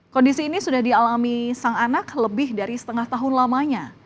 kondisi ini sudah dialami sang anak lebih dari setengah tahun lamanya